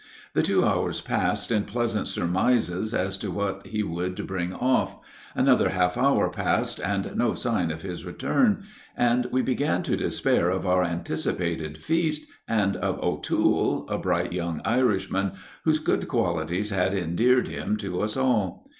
The two hours passed in pleasant surmises as to what he would bring off; another half hour passed, and no sign of his return; and we began to despair of our anticipated feast, and of O'Toole, a bright young Irishman, whose good qualities had endeared him to us all.